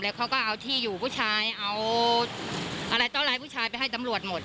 เขาก็เอาที่อยู่ผู้ชายเอาอะไรเต้าร้ายผู้ชายไปให้ตำรวจหมด